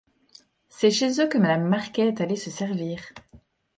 C’est chez eux que Madame Marquet est allée se servir.